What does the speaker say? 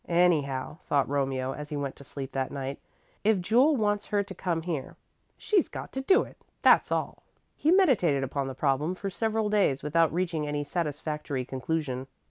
"Anyhow," thought Romeo as he went to sleep that night, "if Jule wants her to come here, she's got to do it, that's all." He meditated upon the problem for several days without reaching any satisfactory conclusion.